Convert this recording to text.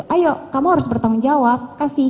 ayo kamu harus bertanggung jawab kasih